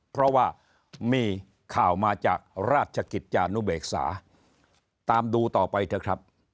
เพราะว่ามีข่าวมาจากราชกิจจานุเบกษาตามดูต่อไปเถอะครับ